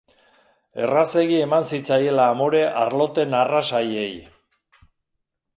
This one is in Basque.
Errazegi eman zitzaiela amore arlote narras haiei.